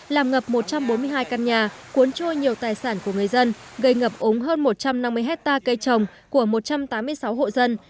làm ngập một trăm bốn mươi hai căn nhà cuốn trôi nhiều tài sản của người dân gây ngập ống hơn một trăm năm mươi hectare cây trồng của một trăm tám mươi sáu hộ dân